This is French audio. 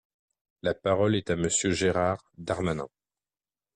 La parole est à Monsieur Gérald Darmanin.